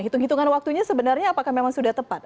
hitung hitungan waktunya sebenarnya apakah memang sudah tepat